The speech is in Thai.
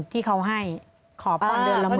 ๕๐๐๐๐ที่เขาให้ขอพรเดือนละ๑๐๐๐